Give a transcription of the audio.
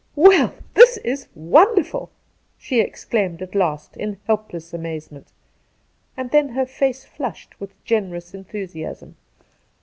'Well, this is wonderful!' she exclaimed at last in helpless amazement ; and then her face flushed with generous enthusiasm.